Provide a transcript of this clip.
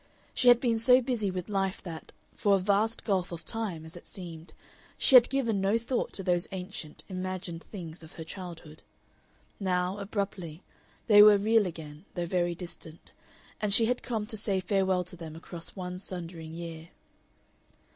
She had been so busy with life that, for a vast gulf of time, as it seemed, she had given no thought to those ancient, imagined things of her childhood. Now, abruptly, they were real again, though very distant, and she had come to say farewell to them across one sundering year.